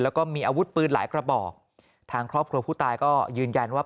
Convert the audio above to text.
แล้วก็มีอาวุธปืนหลายกระบอกทางครอบครัวผู้ตายก็ยืนยันว่า